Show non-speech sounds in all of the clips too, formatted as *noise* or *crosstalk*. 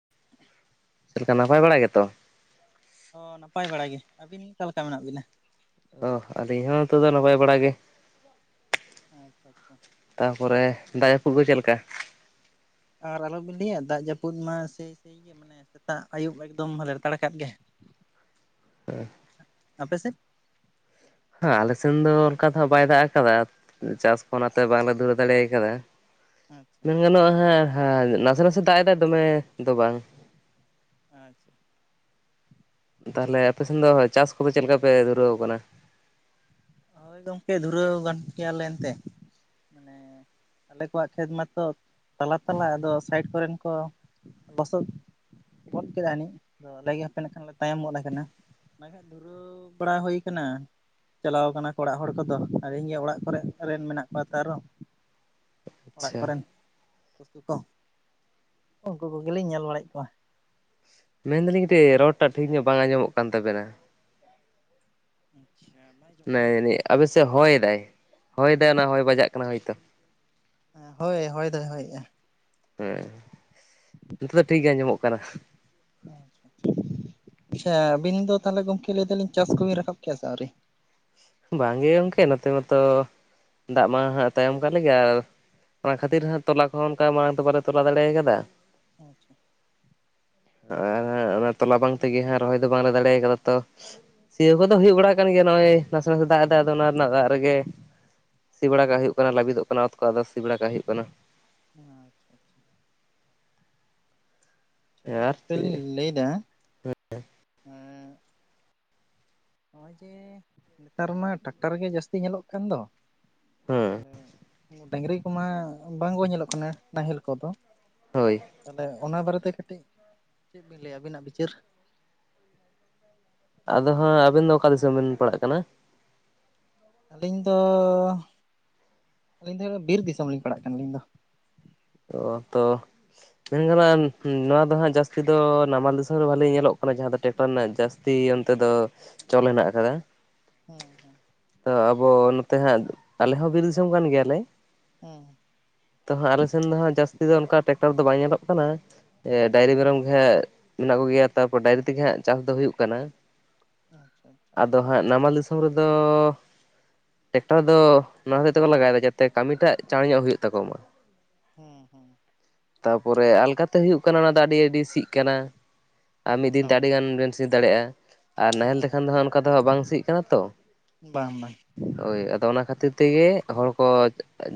*unintelligible* ᱪᱮ ᱱᱟᱯᱟᱭ ᱵᱟᱲᱟ ᱜᱮ ᱛᱚ? ᱦᱚᱸ ᱱᱟᱯᱟᱭ ᱵᱟᱲᱟ ᱜᱮ, ᱟᱵᱤᱱ ᱚᱠᱟ ᱞᱮᱠᱟ ᱢᱮᱱᱟᱜ ᱵᱤᱱᱟ? ᱚ ᱟᱞᱤᱧ ᱦᱚᱸ ᱱᱤᱛᱳᱜ ᱫᱚ ᱱᱟᱯᱟᱭ ᱵᱟᱲᱟ ᱜᱮ᱾ ᱟ-ᱪᱪᱷᱟ ᱪᱪᱷᱟ᱾ ᱛᱟᱯᱚᱨᱮ ᱫᱟᱜ ᱡᱟᱯᱩᱜ ᱪᱮᱜ ᱞᱮᱠᱟ? ᱟᱨ ᱟᱞᱚ ᱵᱤᱱ ᱞᱟᱹᱭᱟ ᱫᱟᱜ ᱡᱟᱹᱯᱩᱫ ᱢᱟ ᱥᱮᱭ-ᱥᱮᱭ ᱜᱮ ᱾ ᱢᱟᱱᱮ ᱥᱮᱛᱟᱜ ᱟᱹᱭᱩᱵ ᱮᱠᱫᱚᱢ ᱞᱮᱲᱛᱟᱲ ᱠᱟᱫ ᱜᱮ ᱾ *unintelligible* ᱟᱯᱮ ᱥᱮᱫ? ᱦᱟᱸ ᱟᱞᱮ ᱥᱮᱱ ᱫᱚ ᱚᱱᱠᱟ ᱫᱚ ᱦᱟᱸᱜ ᱵᱟᱭ ᱫᱟᱜ ᱟᱠᱟᱫᱟ ᱪᱟᱥ ᱠᱷᱚ ᱟᱪᱪᱷᱟ ᱚᱱᱟᱛᱮ ᱵᱟᱝ ᱞᱮ ᱫᱷᱩᱨᱟᱹ ᱫᱟᱲᱮᱭ‌ ᱠᱟᱫᱟ᱾ ᱟᱪᱪᱷᱟ ᱢᱮᱱ ᱟᱪᱪᱷᱟ ᱜᱟᱱᱚᱜ-ᱟ ᱦᱮᱸ ᱦᱮ ᱱᱟᱥᱮ ᱱᱟᱥᱮ ᱫᱟᱜ ᱮᱫᱟᱭ ᱫᱚᱢᱮ ᱫᱚ ᱵᱟᱝ᱾ ᱟᱪᱪᱷᱟ, ᱛᱟᱦᱚᱞᱮ ᱟᱯᱮ ᱥᱮᱱ ᱫᱚ ᱪᱟᱥ ᱠᱚ ᱫᱚ ᱪᱮᱫ ᱞᱮᱠᱟ ᱯᱮ ᱫᱷᱩᱨᱟᱹᱣ ᱠᱟᱱᱟ? ᱦᱳᱭ ᱜᱚᱢᱠᱮ ᱫᱷᱩᱨᱟᱹᱣ ᱜᱟᱱ ᱜᱮᱭᱟ ᱞᱮ ᱮᱱᱛᱮ ᱢᱟᱱᱮ ᱦᱮᱸ, ᱟᱞᱮ ᱠᱚᱣᱟᱜ ᱠᱷᱮᱛ ᱢᱟᱛᱚ ᱛᱟᱞᱟ ᱛᱟᱞᱟ ᱟᱫᱚ ᱥᱟᱭᱤᱰ ᱠᱚᱨᱮᱱ ‌ᱠᱚ ᱞᱚᱥᱚᱫ ᱜᱚᱫ ᱠᱮᱫᱟ ᱟᱹᱱᱤᱡ ᱟᱫᱚ ᱟᱞᱮ ᱦᱟᱯᱮ ᱱᱟᱜ ᱠᱷᱟᱱ ᱞᱮ ᱛᱟᱭᱚᱢ ᱜᱚᱫ ᱟᱠᱟᱱᱟ ᱚᱱᱟ ᱜᱮ᱾ ᱫᱷᱩᱨᱟᱹᱣ ᱵᱟᱲᱟ ᱦᱳᱭ ᱠᱟᱱᱟ᱾ ᱪᱟᱞᱟᱣ ᱠᱟᱱᱟ ᱠᱚ ᱚᱲᱟᱜ ᱦᱚᱲ ᱠᱚ ᱫᱚ ᱟᱨ ᱤᱧ ᱜᱮ ᱚᱲᱟᱜ ᱠᱚᱨᱮ ᱨᱮᱱ ᱢᱮᱱᱟᱜ ᱠᱚᱣᱟ ᱛᱚ ᱟᱨᱚ ᱚᱲᱟᱜ ᱟᱪᱪᱷᱟ ᱠᱚᱨᱮᱱ ᱯᱩᱥᱛᱩ ᱠᱚ ᱩᱱᱠᱩ ᱠᱚᱜᱮ ᱞᱤᱧ ᱧᱮᱞ ᱵᱟᱲᱟᱭᱮᱜ ᱠᱚᱣᱟ ᱾ ᱢᱮᱱ ᱫᱟᱞᱤᱧ ᱠᱟᱹᱴᱤᱡ ᱨᱚᱲ ᱴᱟᱜ ᱴᱷᱤᱠ ᱧᱚᱜ ᱵᱟᱝ ᱟᱸᱡᱚᱢᱚᱜ ᱠᱟᱱ ᱛᱟᱵᱮᱱᱟ ᱾ ᱟᱸᱪᱪᱷᱟ, *inaudible* ᱢᱟᱱᱮ ᱟᱵᱮᱱ ᱥᱮᱜ ᱦᱚᱭ ᱫᱟᱭ ᱦᱚᱭ ᱫᱟᱭ ᱚᱱᱟ ᱦᱚᱭ ᱵᱟᱡᱟᱜ ᱠᱟᱱᱟ ᱦᱚᱭ ᱛᱚ᱾ ᱦᱮᱸ ᱦᱳᱭ ᱦᱚᱭ ᱫᱚᱭ ᱦᱚᱭᱮᱜ-ᱟ ᱾ ᱦᱮᱸ, ᱱᱤᱛᱚᱜ ᱫᱚ ᱴᱷᱤᱠ ᱜᱮ ᱟᱸᱡᱚᱢᱚᱜ ᱠᱟᱱᱟ ᱾ ᱟᱪᱷᱟ ᱪᱷᱟ ᱟᱹᱵᱤᱱ ᱫᱚ ᱛᱟᱦᱚᱞᱮ ᱜᱚᱢᱠᱮ ᱞᱟᱹᱭ ᱫᱟᱞᱤᱧ ᱪᱟᱥ ᱠᱚ ᱵᱤᱱ ᱨᱟᱠᱟᱵ ᱠᱮᱜ-ᱟ ᱥᱮ ᱟᱣᱨᱤ? ᱵᱟᱝ ᱜᱮ ᱜᱚᱢᱠᱮ ᱱᱚᱛᱮ ᱢᱟᱛᱚ ᱫᱟᱜ ᱢᱟ ᱦᱟᱸᱜ ᱛᱟᱭᱚᱢ ᱠᱟᱜ ᱞᱮ ᱜᱮ ᱟᱨᱼᱼ ᱚᱱᱟ ᱠᱷᱟᱹᱛᱤᱨ ᱦᱟᱸᱜ ᱛᱚᱞᱟ ᱠᱚ ᱦᱚᱸ ᱚᱱᱠᱟ ᱢᱟᱬᱟᱝ ᱛᱮ ᱵᱟᱞᱮ ᱛᱚᱞᱟ ᱫᱟᱲᱮ ᱟᱠᱟᱫᱟ᱾ ᱟᱪᱪᱷᱟ, ᱟ ᱟᱨ ᱦᱟᱸᱜ ᱚᱱᱟ ᱛᱚᱞᱟ ᱵᱟᱝ ᱛᱮ ᱜᱮ ᱦᱟᱸᱜ ᱨᱚᱦᱚᱭ ᱫᱚ ᱵᱟᱝ ᱞᱮ ᱫᱟᱲᱮ ᱠᱟᱫᱟ ᱛᱚᱼᱼ ᱥᱤᱭᱳᱜ ᱠᱚ ᱫᱚ ᱦᱩᱭᱩᱜ ᱵᱟᱲᱟ ᱠᱟᱱ ᱜᱮᱭᱟ ᱱᱚᱜ-ᱚᱭ ᱱᱟᱥᱮ ᱱᱟᱥᱮ ᱫᱟᱜ ᱮᱫᱟᱭ ᱟᱫᱚ ᱚᱱᱟ ᱨᱮᱱᱟᱜ ᱨᱮᱜᱮ ᱥᱤ ᱵᱟᱲᱟ ᱠᱟᱜ ᱦᱩᱭᱩᱜ ᱠᱟᱱᱟ ᱞᱟᱵᱤᱫᱚᱜ ᱠᱟᱱᱟ ᱚᱛ ᱠᱚ ᱟᱫᱚ ᱥᱤ ᱵᱟᱲᱟ ᱠᱟᱜ ᱦᱩᱭᱩᱜ ᱠᱟᱱᱟ ᱾ ᱦᱮᱸ ᱟᱪᱪᱷᱟ, ᱛᱮ ᱟᱨ ᱜᱚᱢᱠᱮ ᱞᱤᱧ ᱪᱮᱫ ᱞᱟᱹᱭ ᱫᱟ, ᱮᱸᱼᱼ ᱱᱚᱜ-ᱚᱭ ᱡᱮ ᱱᱮᱛᱟᱨ ᱢᱟ ᱴᱟᱠᱴᱟᱨ ᱜᱮ ᱡᱟᱹᱥᱛᱤ ᱧᱮᱞᱚᱜ ᱠᱟᱱ ᱫᱚ᱾ ᱦᱮᱸ ᱛᱟᱦᱚᱞᱮ ᱰᱟᱹᱝᱨᱤ ᱠᱚᱢᱟ ᱵᱟᱝ ᱠᱚ ᱧᱮᱞᱚᱜ ᱠᱟᱱᱟ ᱱᱟᱦᱮᱞ ᱠᱚ ᱫᱚ᱾ ᱦᱳᱭ, ᱛᱟᱦᱞᱮ ᱚᱱᱟ ᱵᱟᱨᱮ ᱛᱮ ᱠᱟᱹᱴᱤᱡ ᱪᱮᱜ ᱵᱤᱱ ᱞᱟᱹᱭᱟ ᱟᱹᱵᱤᱱᱟᱜ ᱵᱤᱪᱟᱹᱨ? ᱟᱫᱚ ᱦᱟᱸᱜ ᱟᱵᱤᱱ ᱫᱚ ᱚᱠᱟ ᱫᱤᱥᱚᱢ ᱵᱮᱱ ᱯᱟᱲᱟᱜ ᱠᱟᱱᱟ? ᱟᱹᱞᱤᱧ ᱫᱚ ᱟᱹᱞᱤᱧ ᱫᱚ ᱵᱤᱨ ᱫᱤᱥᱚᱢ ᱞᱤᱧ ᱯᱟᱲᱟᱜ ᱠᱟᱱᱟ ᱟᱹᱞᱤᱧ ᱫᱚ ᱾ ᱚᱸ ᱛᱚ, ᱢᱮᱱ ᱜᱟᱱᱚᱜ-ᱟ ᱱᱚᱣᱟ ᱫᱚ ᱦᱟᱸᱜ ᱡᱟᱹᱥᱛᱤ ᱫᱚ ᱱᱟᱢᱟᱞ ᱫᱤᱥᱚᱢ ᱨᱮ ᱵᱷᱟᱹᱞᱮ ᱧᱮᱞᱚᱜ ᱠᱟᱱᱟ, ᱡᱟᱦᱟᱸ ᱫᱚ ᱴᱮᱠᱴᱟᱨ ᱨᱮᱱᱟᱜ ᱡᱟᱹᱥᱛᱤ ᱚᱱᱛᱮ ᱫᱚ ᱪᱚᱞ ᱦᱮᱱᱟᱜ ᱟᱠᱟᱫᱟ ᱾ ᱦᱮᱸ ᱦᱮᱸ, ᱛᱚ ᱟᱵᱚ ᱱᱚᱛᱮ ᱦᱟᱸᱜ ᱟᱞᱮ ᱦᱚᱸ ᱵᱤᱨ ᱫᱤᱥᱚᱢ ᱠᱟᱱ ᱜᱮᱭᱟ ᱞᱮ ᱾ *unintelligible* ᱛᱚ ᱦᱟᱸᱜ ᱟᱞᱮ ᱥᱮᱱ ᱫᱚ ᱦᱟᱸᱜ ᱡᱟᱹᱥᱛᱤ ᱫᱚ ᱚᱱᱠᱟ ᱴᱮᱠᱴᱟᱨ ᱫᱚ ᱵᱟᱭ ᱧᱮᱞᱚᱜ ᱠᱟᱱᱟ ᱾ ᱮᱜ ᱰᱟᱹᱝᱨᱤ ᱢᱮᱨᱚᱢ ᱜᱮ ᱦᱟᱸᱜ ᱢᱮᱱᱟᱜ ᱠᱚᱜᱮᱭᱟ ᱛᱟᱯᱚᱨ ᱰᱟᱹᱝᱨᱤ ᱛᱮᱜᱮ ᱦᱟᱸᱜ ᱪᱟᱥ ᱫᱚ ᱦᱩᱭᱩᱜ ᱠᱟᱱᱟ ᱾ ᱟᱪᱪᱷᱟ ᱟᱫᱚ ᱦᱟᱸᱜ ᱱᱟᱢᱟᱞ ᱫᱤᱥᱚᱢ ᱨᱮᱫᱚ ᱴᱮᱠᱴᱟᱨ ᱫᱚ ᱚᱱᱟ ᱦᱚᱛᱮᱡ ᱛᱮᱠᱚ ᱞᱟᱜᱟᱭ ᱮᱫᱟ ᱡᱟᱛᱮ ᱠᱟᱹᱢᱤ ᱴᱟᱜ ᱪᱟᱲ ᱧᱚᱜ ᱦᱩᱭᱩᱜ ᱛᱟᱠᱚ ᱢᱟ ᱾ ᱦᱩᱸ ᱦᱩᱸ ᱾ ᱛᱟᱯᱚᱨᱮ ᱟᱞᱜᱟᱛᱮ ᱦᱩᱭᱩᱜ ᱠᱟᱱᱟ ᱚᱱᱟ ᱫᱚ ᱟᱹᱰᱤ ᱟᱹᱰᱤ ᱥᱤᱜ ᱠᱟᱱᱟ ᱟᱨ ᱢᱤᱫ ᱫᱤᱱ ᱛᱮ ᱦᱳᱭ ᱟᱹᱰᱤ ᱜᱟᱱ ᱵᱮᱱ ᱥᱤ ᱫᱟᱲᱮᱭᱟᱜ-ᱟ ᱟᱨ ᱱᱟᱦᱮᱞ ᱛᱮᱠᱷᱟᱱ ᱫᱚ ᱦᱮᱸ ᱦᱟᱸᱜ ᱚᱱᱠᱟ ᱫᱚ ᱦᱟᱸᱜ ᱵᱟᱝ ᱥᱤᱜ ᱠᱟᱱᱟ ᱛᱚ ᱾ ᱵᱟᱝ ᱵᱟᱝ ᱦᱳᱭ ᱟᱫᱚ ᱚᱱᱟ ᱠᱷᱟᱹᱛᱤᱨ ᱛᱮᱜᱮ ᱦᱚᱲ ᱠᱚ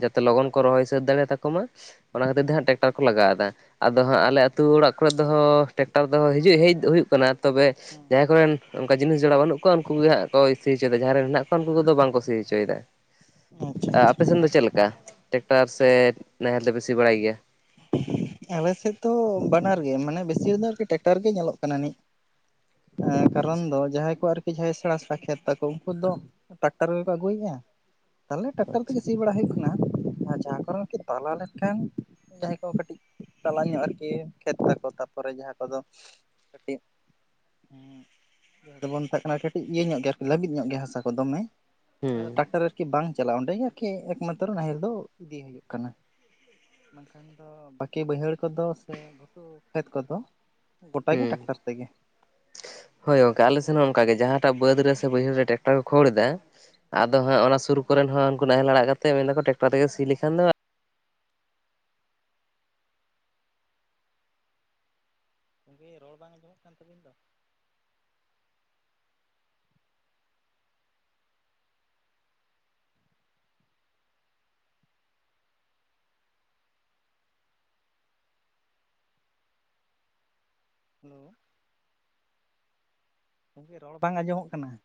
ᱡᱟᱛᱮ ᱞᱚᱜᱚᱱ ᱠᱚ ᱨᱚᱦᱚᱭ ᱥᱟᱹᱛ ᱫᱟᱲᱮ ᱛᱟᱠᱚ ᱢᱟ ᱾ ᱚᱱᱟ ᱠᱷᱟᱹᱛᱤᱨ ᱛᱮ ᱦᱮᱸ ᱦᱟᱸᱜ ᱴᱮᱠᱴᱟᱨ ᱠᱚ ᱞᱟᱜᱟᱣ ᱮᱫᱟ ᱟᱫᱚ ᱦᱟᱸᱜ ᱟᱞᱮ ᱟᱹᱛᱩ ᱚᱲᱟᱜ ᱠᱚᱨᱮ ᱫᱚ ᱴᱮᱠᱴᱟᱨ ᱫᱚ ᱦᱤᱡᱩᱜ ᱦᱮᱡ ᱦᱩᱭᱩᱜ ᱠᱟᱱᱟ ᱛᱚᱵᱮ ᱦᱩᱸ ᱡᱟᱦᱟᱸᱭ ᱦᱩᱸ ᱠᱚᱨᱮᱱ ᱚᱱᱠᱟ ᱡᱤᱱᱤᱥ ᱡᱚᱲᱟ ᱵᱟᱹᱱᱩᱜ ᱠᱚᱣᱟ ᱩᱱᱠᱩ ᱜᱮ ᱦᱟᱸᱜ ᱠᱚ ᱥᱤ ᱦᱚᱪᱚᱭ ᱫᱟ ᱡᱟᱦᱟᱸᱭ ᱨᱮᱱ ᱦᱮᱱᱟᱜ ᱠᱚᱣᱟ ᱩᱱᱠᱩ ᱠᱚᱫᱚ ᱵᱟᱝ ᱠᱚ ᱥᱤ ᱦᱚᱪᱚᱭ ᱫᱟ ᱟᱪᱪᱷᱟ ᱾ ᱟᱪᱪᱷᱟ ᱟ-ᱟᱯᱮ ᱥᱮᱱ ᱫᱚ ᱪᱮᱞᱠᱟ ᱴᱮᱠᱴᱟᱨ ᱥᱮ ᱱᱟᱦᱮᱞ ᱛᱮᱯᱮ ᱥᱤ ᱵᱟᱲᱟᱭ ᱜᱮᱭᱟ ᱾ ᱟᱞᱮ ᱥᱮᱫ ᱫᱚ ᱵᱟᱱᱟᱨ ᱜᱮ ᱢᱟᱱᱮ ᱵᱮᱥᱤᱨ ᱫᱚ ᱟᱨᱠᱤ ᱴᱮᱠᱴᱟᱨ ᱜᱮ ᱧᱮᱞᱚᱜ ᱠᱟᱱᱟ ᱱᱤᱡ ᱟ-ᱠᱟᱨᱚᱱ ᱟᱪᱪᱷᱟ ᱫᱚ ᱡᱟᱦᱟᱸᱭ ᱠᱚ ᱟᱨ ᱡᱟᱦᱟᱸᱭ ᱥᱮᱬᱟ ᱥᱮᱬᱟ ᱠᱷᱮᱛ ᱛᱟᱠᱚ ᱩᱱᱠᱩ ᱫᱚ ᱴᱟᱠᱴᱟᱨ ᱜᱮᱠᱚ ᱟᱹᱜᱩᱭᱮᱜ-ᱟ ᱾ ᱛᱟᱦᱞᱮ ᱴᱟᱠᱴᱟᱨ ᱟᱪᱪᱷᱟ ᱛᱮᱜᱮ ᱥᱤ ᱵᱟᱲᱟ ᱦᱩᱭᱩᱜ ᱠᱟᱱᱟ ᱟᱨ ᱡᱟᱦᱟᱸ ᱠᱟᱨᱮ ᱠᱟᱹᱡ ᱛᱟᱞᱟ ᱞᱮ ᱠᱷᱟᱱ ᱡᱟᱦᱟᱸᱭ ᱠᱚ ᱠᱟᱹᱴᱤᱡ ᱛᱟᱞᱟ ᱧᱚᱜ ᱟᱨᱠᱤ ᱠᱷᱮᱛ ᱛᱟᱠᱚ ᱛᱟᱨᱯᱚᱨᱮ ᱡᱟᱦᱟᱸ ᱠᱚᱫᱚ *unintelligible* ᱡᱟᱦᱟᱸ ᱫᱚᱵᱚᱱ ᱢᱮᱛᱟᱜ ᱠᱟᱱᱟ ᱠᱟᱹᱴᱤᱡ ᱤᱭᱟᱹ ᱧᱚᱜ ᱜᱮ ᱟᱨᱠᱤ ᱞᱟᱹᱵᱤᱫ ᱧᱚᱜ ᱜᱮᱭᱟ ᱦᱟᱥᱟ ᱠᱚ ᱫᱚᱢᱮ ᱾ ᱦᱩᱸ ᱴᱟᱠᱴᱟᱨ ᱟᱨᱠᱤ ᱵᱟᱝ ᱪᱟᱞᱟᱜ-ᱟ ᱚᱸᱰᱮ ᱜᱮ ᱟᱨᱠᱤ ᱮᱠᱢᱟᱛᱨᱚ ᱱᱟᱦᱮᱞ ᱫᱚ ᱤᱫᱤ ᱦᱩᱭᱩᱜ ᱠᱟᱱᱟ ᱾ ᱵᱟᱝ ᱠᱷᱟᱱ ᱫᱚ ᱵᱟᱹᱠᱤ ᱵᱟᱹᱭᱦᱟᱹᱲ ᱠᱚᱫᱚ ᱥᱮ ᱜᱷᱩᱴᱩ ᱠᱷᱮᱛ ᱠᱚᱫᱚ ᱜᱚᱴᱟ ᱜᱮ ᱦᱩᱸ ᱴᱟᱠᱴᱟᱨ ᱛᱮᱜᱮ ᱾ ᱦᱳᱭ ᱜᱚᱝᱠᱮ ᱟᱞᱮᱥᱮᱱ ᱦᱚᱸ ᱚᱱᱠᱟ ᱜᱮ ᱡᱟᱦᱟᱸᱴᱟᱜ ᱵᱟᱹᱫᱽ ᱨᱮ ᱥᱮ ᱵᱟᱹᱭᱦᱟᱹᱲ ᱨᱮ ᱴᱟᱠᱴᱟᱨ ᱠᱚ ᱠᱷᱳᱲ ᱮᱫᱟ ᱾ ᱦᱮᱸ ᱟᱫᱚ ᱦᱟᱸᱜ ᱚᱱᱟ ᱥᱩᱨ ᱠᱚᱨᱮᱱ ᱦᱚᱸ ᱩᱱᱠᱩ ᱱᱟᱦᱮᱞ ᱟᱲᱟᱜ ᱠᱟᱛᱮ ᱢᱮᱱᱫᱟ ᱠᱚ ᱴᱮᱠᱴᱟᱨ ᱛᱮᱜᱮ ᱥᱤ ᱞᱮᱠᱷᱟᱱ ᱫᱚ ᱜᱚᱝᱠᱮ ᱨᱚᱲ ᱵᱟᱝ ᱟᱸᱡᱚᱢᱚᱜ ᱠᱟᱱ ᱛᱟᱹᱵᱤᱱ ᱫᱚ ᱾ ᱦᱮᱞᱳ ᱜᱚᱝᱠᱮ ᱨᱚᱲ ᱵᱟᱝ ᱟᱸᱡᱚᱢᱚᱜ ᱠᱟᱱᱟ ᱾